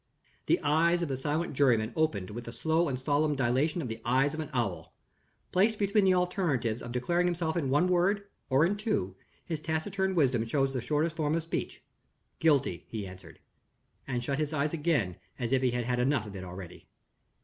The eyes of the silent juryman opened with the slow and solemn dilation of the eyes of an owl. Placed between the alternatives of declaring himself in one word or in two, his taciturn wisdom chose the shortest form of speech. "Guilty," he answered and shut his eyes again, as if he had had enough of it already.